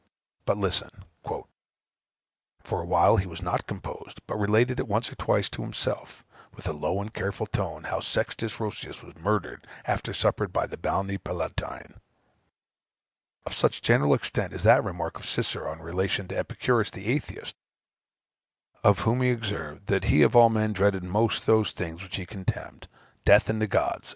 But listen "For a while he was not composed, but related it once or twice as to himself, with a low and careful tone, how Sextus Roscius was murthered after supper by the Balneæ Palatinæ. Of such general extent is that remark of Cicero, in relation to Epicurus the Atheist, of whom he observed that he of all men dreaded most those things which he contemned Death and the Gods."